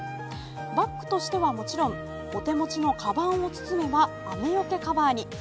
バッグとしてはもちろんお手持ちのかばんを包めば雨よけカバーに。